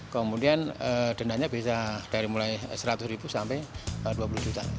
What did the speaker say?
kemudian dandanya bisa dari mulai rp seratus sampai rp dua puluh